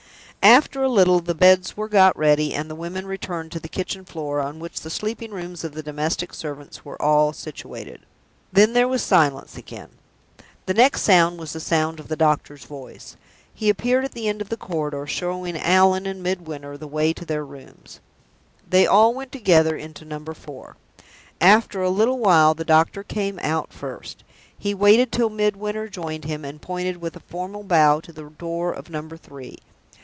After a little, the beds were got ready and the women returned to the kitchen floor, on which the sleeping rooms of the domestic servants were all situated. Then there was silence again. The next sound was the sound of the doctor's voice. He appeared at the end of the corridor, showing Allan and Midwinter the way to their rooms. They all went together into Number Four. After a little, the doctor came out first. He waited till Midwinter joined him, and pointed with a formal bow to the door of Number Three.